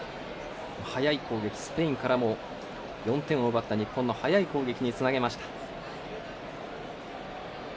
速い攻撃スペインからも４点を奪った日本の速い攻撃につなげました。